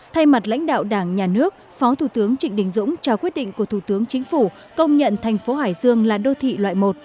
thay mặt lãnh đạo đảng nhà nước phó thủ tướng trịnh đình dũng trao quyết định của thủ tướng chính phủ công nhận thành phố hải dương là đô thị loại một